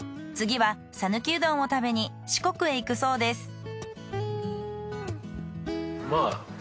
次はさぬきうどんを食べに四国へ行くそうです。